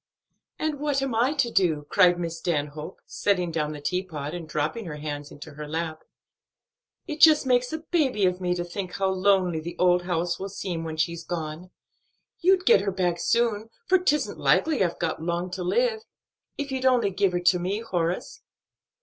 "And what am I to do?" cried Miss Stanhope, setting down the teapot, and dropping her hands into her lap. "It just makes a baby of me to think how lonely the old house will seem when she's gone. You'd get her back soon, for 'tisn't likely I've got long to live, if you'd only give her to me, Horace."